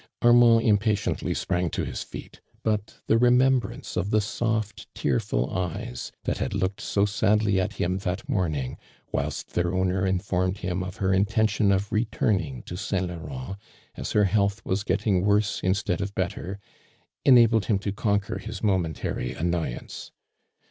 Armand impatiently sprang to his i'eet, but the remembrance of the soft tearful eyes that had looked so sadly at him that morning, whilst their owner informed him of her intention of returning to St. Ijaurent, as her health was getting worse instead of better, enabled him to conquer his momen tary annoyance.